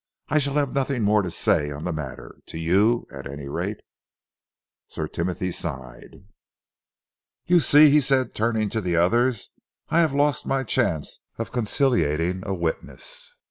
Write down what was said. "I shall have nothing more to say on the matter to you, at any rate." Sir Timothy sighed. "You see," he said, turning to the others, "I have lost my chance of conciliating a witness.